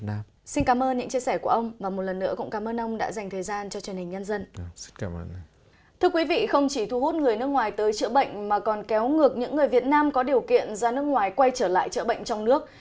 thưa quý vị không chỉ thu hút người nước ngoài tới chữa bệnh mà còn kéo ngược những người việt nam có điều kiện ra nước ngoài quay trở lại chữa bệnh trong nước